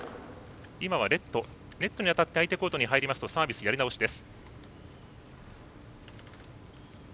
ネットに当たって相手コートに入りますとサービスやり直しです。